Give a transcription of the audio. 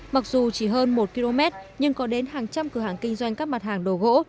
mặc dù chỉ hơn một km nhưng có đến hàng trăm cửa hàng kinh doanh các mặt hàng đồ gỗ